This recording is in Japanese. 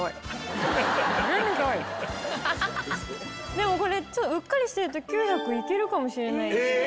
でもこれうっかりしてると９００いけるかもしれないですね。